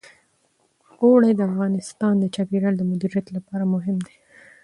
اوړي د افغانستان د چاپیریال د مدیریت لپاره مهم دي.